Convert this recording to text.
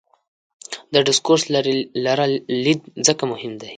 د ډسکورس لرلید ځکه مهم دی.